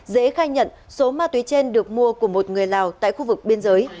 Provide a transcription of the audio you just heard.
dễ khai nhận số ma túy trên được mua của một người lào tại khu vực biên giới